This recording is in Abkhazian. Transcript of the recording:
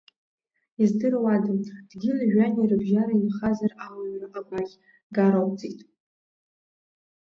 Издыруада, дгьыли жәҩани рыбжьара инхазар ауаҩра агәаӷь гароуҵеит…